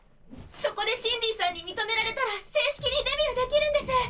そこでシンディさんにみとめられたら正式にデビューできるんです！